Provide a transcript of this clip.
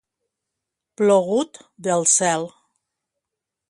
Plogut del cel.